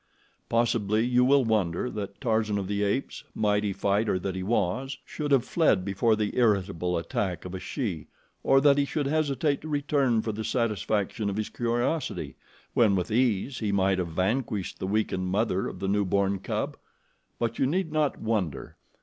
Possibly you will wonder that Tarzan of the Apes, mighty fighter that he was, should have fled before the irritable attack of a she, or that he should hesitate to return for the satisfaction of his curiosity when with ease he might have vanquished the weakened mother of the new born cub; but you need not wonder.